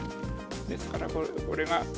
ですからこれが。